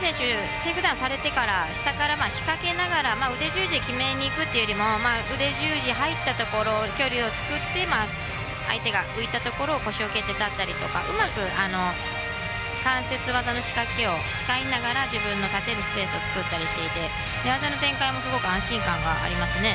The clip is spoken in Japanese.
テイクダウンされてから下から仕掛けながら腕十字で決めに行くよりも腕十字入ったところで距離を作って相手が浮いたところを腰を蹴って立ったりとかうまく関節技の仕掛けを使いながら自分のスペースを作ったりして寝技の展開もすごく安心感がありますね。